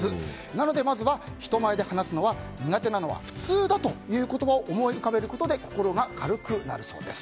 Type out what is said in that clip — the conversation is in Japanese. なのでまずは人前で話すのは苦手なのは普通だという言葉を思い浮かべることで心が軽くなるそうです。